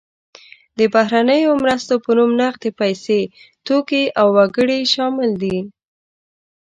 د بهرنیو مرستو په نوم نغدې پیسې، توکي او وګړي شامل دي.